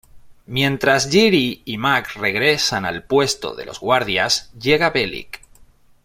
Mientras Geary y Mack regresan al puesto de los guardias, llega Bellick.